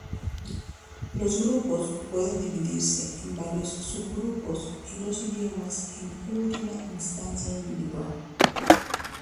Los grupos pueden dividirse en varios subgrupos y los idiomas en última instancia individual.